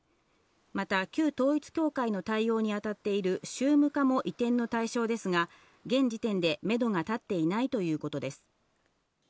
また旧統一教会の対応にあたっている宗務課も移転の対象ですが、現時点でめどが立っていないということです。